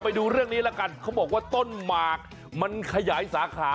ไปดูเรื่องนี้แล้วกันเขาบอกว่าต้นหมากมันขยายสาขา